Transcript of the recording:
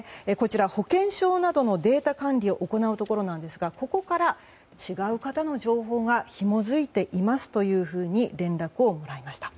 保険証などのデータ管理を行うところなんですがここから違う方の情報がひも付いていますと連絡をもらいました。